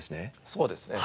そうですね。